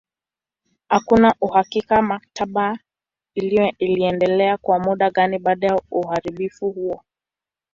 Hakuna uhakika maktaba iliendelea kwa muda gani baada ya uharibifu huo.